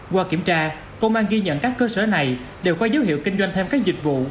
qua kiểm tra công an ghi nhận các cơ sở này đều có dấu hiệu kinh doanh thêm các dịch vụ